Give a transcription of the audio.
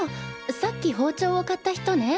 さっき包丁を買った人ね。